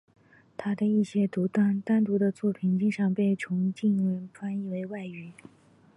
他的一些单独的作品经常被重印也被翻译为外语。